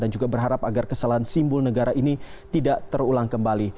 dan juga berharap agar kesalahan simbol negara ini tidak terulang kembali